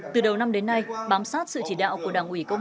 từ đầu năm đến nay bám sát sự chỉ đạo của đảng ủy công an